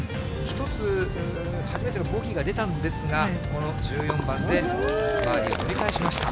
１つ、初めてのボギーが出たんですが、この１４番でバーディー、盛り返しました。